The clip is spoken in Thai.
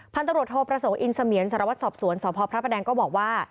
พันธุรกิจโทรประสงค์อินสะเมียนสรวจสอบสวนสภพระแปดังก็บอกว่า